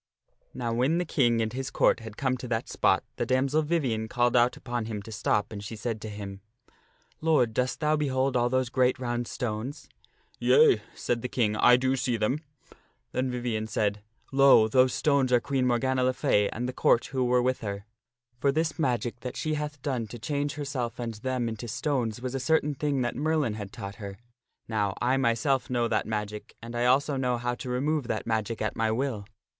Now when the King and his Court had come to that spot the damsel Vivien called out upon him to stop and she said to him, " Lord, dost thou behold all those great round stones?" "Yea," said the King, " I do see them." Then Vivien said, " Lo ! those stones are Queen Morgana le Fay and the Court who were with her. For this magic that she hath done to change herself and them into stones was a certain thing that Merlin had taught her. Now I myself know that magic, and I also know how to remove that magic at my will.